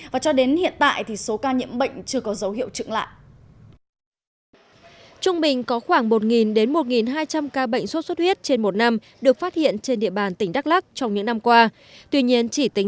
và cho đến hiện tại số ca nhiễm bệnh chưa có dấu hiệu trựng lại